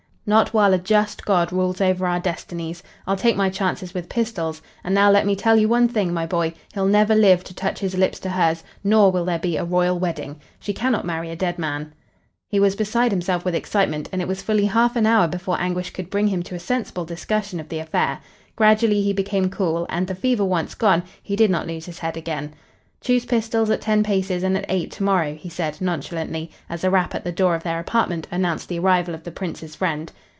"Not while a just God rules over our destinies. I'll take my chances with pistols, and now let me tell you one thing, my boy: he'll never live to touch his lips to hers, nor will there be a royal wedding. She cannot marry a dead man." He was beside himself with excitement and it was fully half an hour before Anguish could bring him to a sensible discussion of the affair. Gradually he became cool, and, the fever once gone, he did not lose his head again. "Choose pistols at ten paces and at eight tomorrow," he said, nonchalantly, as a rap at the door of their apartment announced the arrival of the Prince's friend.